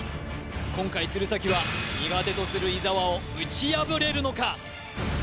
今回鶴崎は苦手とする伊沢を打ち破れるのか？